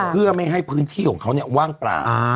เพื่อไม่ให้พื้นที่ของเขาว่างเปล่า